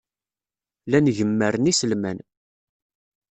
Llan gemmren iselman.